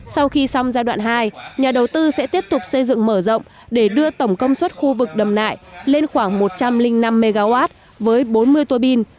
sau khi xong giai đoạn hai nhà đầu tư sẽ tiếp tục xây dựng mở rộng để đưa tổng công suất khu vực đầm nại lên khoảng một trăm linh năm mw với bốn mươi tua bin